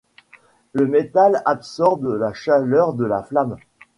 Le métal absorbe la chaleur de la flamme.